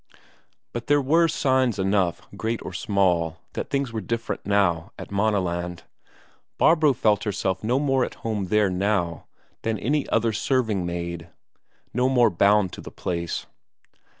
But there were signs enough, great or small, that things were different now at Maaneland. Barbro felt herself no more at home there now than any other serving maid; no more bound to the place.